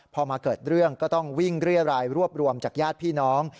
พอมาเกิดเรื่องก็ต้องวิ่งเรียรายรวบรวมจากญาติพี่น้อง